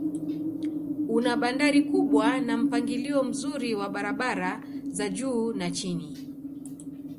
Una bandari kubwa na mpangilio mzuri wa barabara za juu na chini.